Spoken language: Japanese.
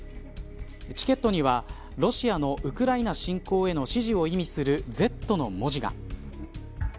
チケットには、ロシアのウクライナ侵攻への支持を意味するＺの文字が。